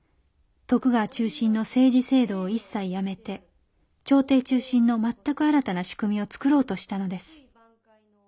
徳川中心の政治制度を一切やめて朝廷中心の全く新たな仕組みをつくろうとしたのです。